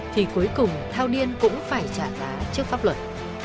thì cuối cùng thao điên cũng phải trả giá trước pháp luật